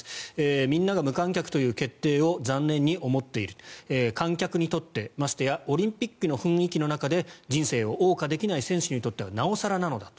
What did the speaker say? みんなが無観客という決定を残念に思っている観客にとって、ましてやオリンピックの雰囲気の中で人生をおう歌できない選手にとってはなお更なのだと。